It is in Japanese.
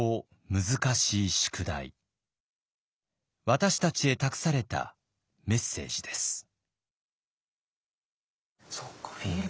私たちへ託されたメッセージです。